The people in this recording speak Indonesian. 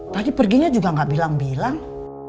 tadi perginya juga gak bilang bilang